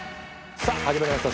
さぁ始まりました